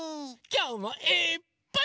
きょうもいっぱい。